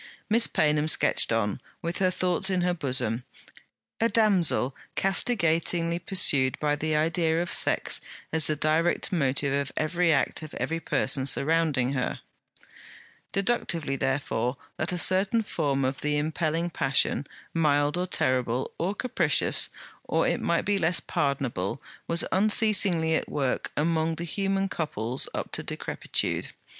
Miss Paynham sketched on, with her thoughts in her bosom: a damsel castigatingly pursued by the idea of sex as the direct motive of every act of every person surrounding, her; deductively therefore that a certain form of the impelling passion, mild or terrible, or capricious, or it might be less pardonable, was unceasingly at work among the human couples up to decrepitude.